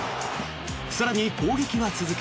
更に攻撃は続く。